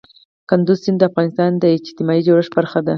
کندز سیند د افغانستان د اجتماعي جوړښت برخه ده.